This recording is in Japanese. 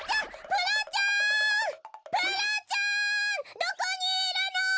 どこにいるの？